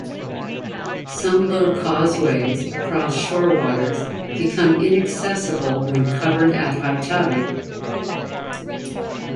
Some low causeways across shore waters become inaccessible when covered at high tide.